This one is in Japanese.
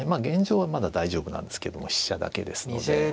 現状はまだ大丈夫なんですけども飛車だけですので。